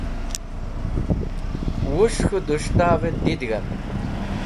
Wus̃h k̃hũ dustvẽ didig̃hẽm.